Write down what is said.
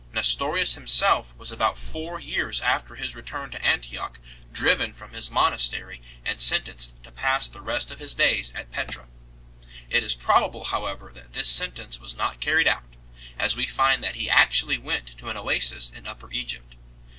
Nestorius himself was about four years after his return to Antioch driven from his monas tery and sentenced to pass the rest of his days at Petra 4 . It is probable however that this sentence was not carried out, as we find that he actually went to an oasis in Upper Egypt.